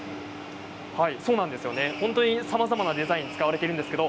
本当にさまざまなデザインが使われています。